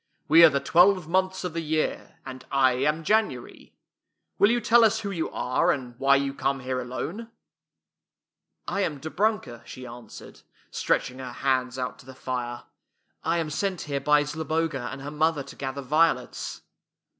"We are the twelve months of the year, and I am January. Will you tell us who you are, and why you come here alone? "" I am Dobrunka," she answered, stretch ing her hands out to the fire. " I am sent here by Zloboga and her mother to gather violets."